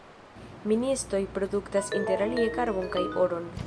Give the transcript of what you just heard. Ministoj produktas interalie karbon kaj oron.